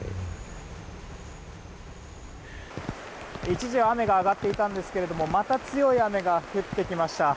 一時は雨が上がっていたんですけどもまた強い雨が降ってきました。